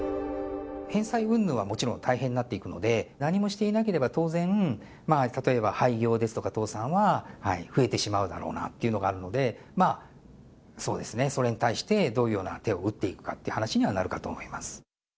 返済云々はもちろん大変になってくるので、何もしていなければ当然、例えば廃業ですとか倒産は増えてしまうだろうなっていうのがあるので、それに対して、どういうような手を打っていくかって話にはなるかと思います。